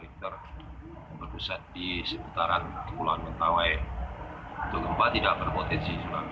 dengan kekuatan enam skala riter berpusat di seputaran kepulauan mentawai untuk gempa tidak berpotensi tsunami